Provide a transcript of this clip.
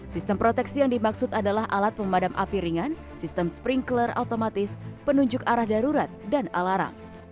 sistem proteksi yang dimaksud adalah alat pemadam api ringan sistem sprinkler otomatis penunjuk arah darurat dan alarm